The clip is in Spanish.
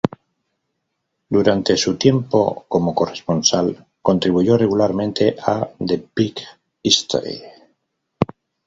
Durante su tiempo como corresponsal, contribuyó regularmente a "The Big Story".